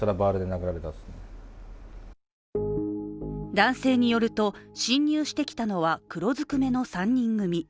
男性によると侵入してきたのは黒ずくめの３人組。